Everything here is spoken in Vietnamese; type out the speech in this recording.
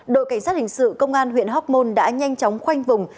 đội cảnh sát hình sự công an huyện hoc mon đã nhanh chóng khoanh vùng